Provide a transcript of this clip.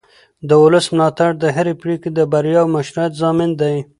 د ولس ملاتړ د هرې پرېکړې د بریا او مشروعیت ضامن دی